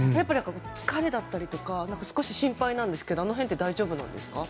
疲れだったり少し心配なんですけどその辺は大丈夫なんですか？